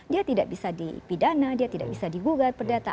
dia tidak bisa dipidana dia tidak bisa digugat perdata